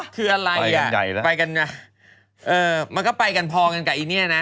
คืออะไรอ่ะไปกันนะมันก็ไปกันพอกันกับอีเนี่ยนะ